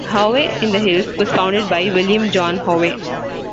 Howey-in-the-Hills was founded by William John Howey.